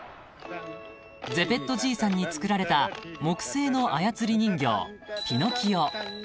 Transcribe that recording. ［ゼペットじいさんにつくられた木製の操り人形］